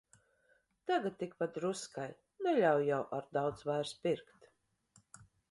Tagad tik pa druskai, neļauj jau ar daudz vairs pirkt.